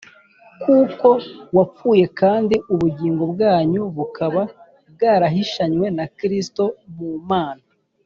kuko mwapfuye, kandi ubugingo bwanyu bukaba bwarahishanywe na Kristo mu Mana.